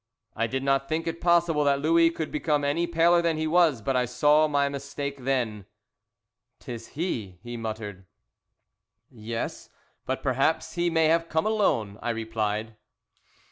I did not think it possible that Louis could become any paler than he was, but I saw my mistake then. "'Tis he," he muttered. "Yes, but perhaps he may have come alone," I replied.